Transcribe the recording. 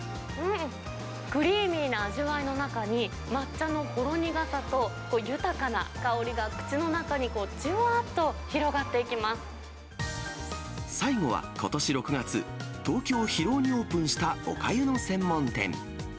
クリーミーな味わいの中に、抹茶のほろ苦さと豊かな香りが口の中にこう、最後はことし６月、東京・広尾にオープンしたおかゆの専門店。